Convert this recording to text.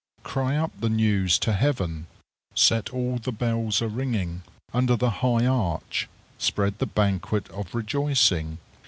Cry up the news to heaven! Set all the bells a ringing! Under the high arch spread the banquet of rejoicing.